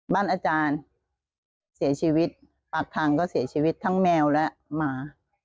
อาจารย์เสียชีวิตปากคังก็เสียชีวิตทั้งแมวและหมา